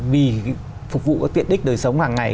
vì phục vụ tiện đích đời sống hàng ngày